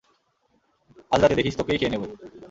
আজরাতে, দেখিস তোকেই খেয়ে নেবে!